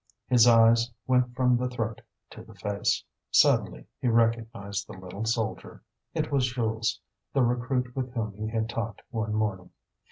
His eyes went from the throat to the face. Suddenly he recognized the little soldier; it was Jules, the recruit with whom he had talked one morning.